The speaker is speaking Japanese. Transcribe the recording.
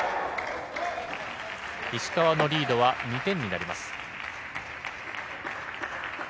石川のリードは２点になります。